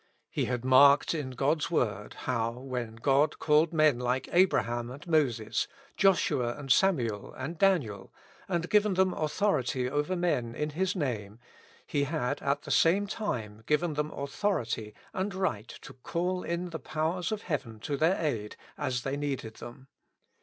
He had marked in God's Word how, when God called men like Abraham and ]\Ioses, Joshua and Samuel and Daniel, and given them authority over men in His name, He had at the same time given them authority and right to call in the powers of heaven to their aid as they needed them.